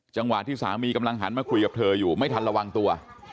จังหวะที่สามีกำลังหันมาคุยกับเธออยู่ไม่ทันระวังตัว